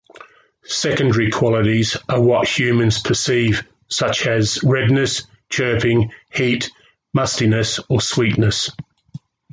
Secondary qualities are what humans perceive such as redness, chirping, heat, mustiness or sweetness.